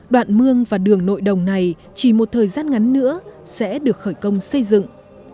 đoạn mương và đường nội đồng này chỉ một thời gian ngắn nữa sẽ được khởi công xây dựng